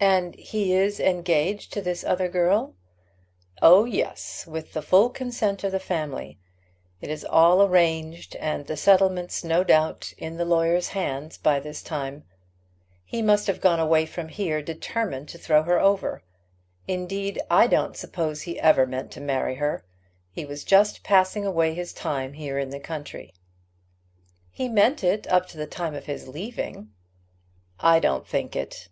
"And he is engaged to this other girl?" "Oh, yes; with the full consent of the family. It is all arranged, and the settlements, no doubt, in the lawyer's hands by this time. He must have gone away from here determined to throw her over. Indeed, I don't suppose he ever meant to marry her. He was just passing away his time here in the country." "He meant it up to the time of his leaving." "I don't think it.